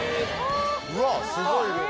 うわっすごい量。